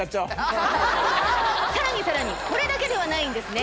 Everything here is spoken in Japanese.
さらにさらにこれだけではないんですね。